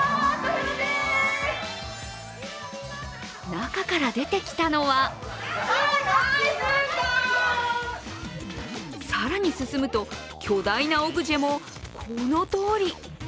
中から出てきたのは更に進むと、巨大なオブジェもこのとおり。